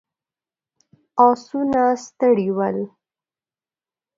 آسونه ستړي ول.